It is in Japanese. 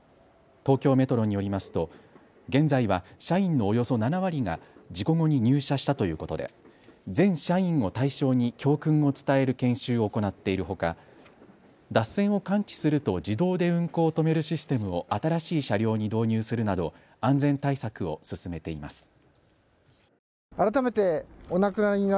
東京メトロによりますと現在は社員のおよそ７割が事故後に入社したということで全社員を対象に教訓を伝える研修を行っているほか脱線を感知すると自動で運行を止めるシステムを新しい車両に導入するなど安全対策を進めています。